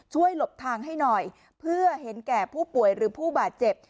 หลบทางให้หน่อยเพื่อเห็นแก่ผู้ป่วยหรือผู้บาดเจ็บ